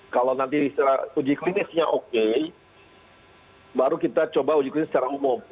kalau nanti uji klinisnya oke baru kita coba uji klinis secara umum